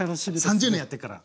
３０年やってっから。